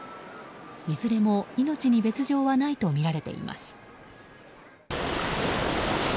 いずれも命に別条はないとみられています。